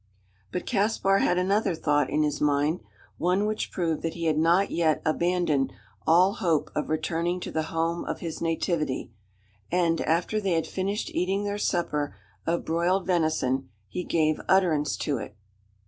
But Caspar had another thought in his mind; one which proved that he had not yet abandoned all hope of returning to the home of his nativity; and, after they had finished eating their supper of broiled venison, he gave utterance to it.